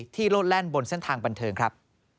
โลดแล่นบนเส้นทางบันเทิงครับ